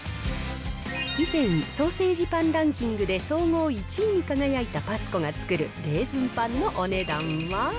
以前、ソーセージパンランキングで総合１位に輝いたパスコが作るレーズンパンのお値段は？